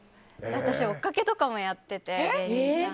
私、追っかけとかもやってて。